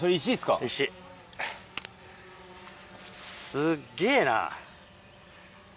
すっげぇな。